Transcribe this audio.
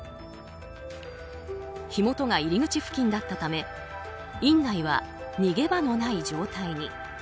火元が入り口付近だったため院内は逃げ場のない状態に。